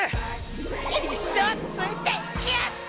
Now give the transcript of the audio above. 一生ついていきやっす！